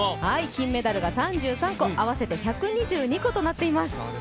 金メダルが３３個合わせて１２２個となっています。